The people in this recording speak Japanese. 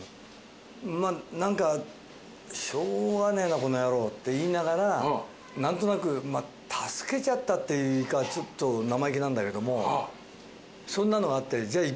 「しょうがねえなあこの野郎」って言いながら何となく助けちゃったっていうかちょっと生意気なんだけどもそんなのがあって。